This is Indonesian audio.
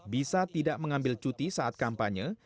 bisa tidak mengambil cuti saat kampanye